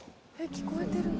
聞こえてるね。